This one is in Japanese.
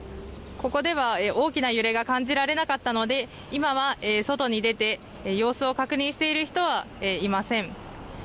ここでは大きな揺れが感じられなかったので今は外に出て様子を確認している人はいません。